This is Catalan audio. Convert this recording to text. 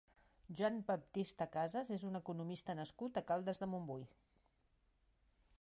Joan Baptista Casas és un economista nascut a Caldes de Montbui.